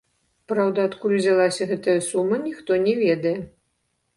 Праўда, адкуль узялася гэтая сума, ніхто не ведае.